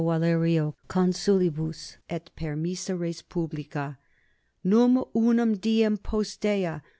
Valerio consulibus est permissa res publica; num unum diem postea L.